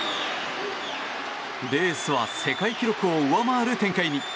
レースは世界記録を上回る展開に。